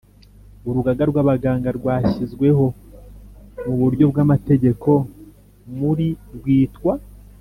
Urugaga rw Abaganga rwashyizweho mu buryo bw amategeko muri rwitwa